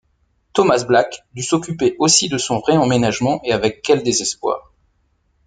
Thomas Black dut s’occuper aussi de son réemménagement, et avec quel désespoir!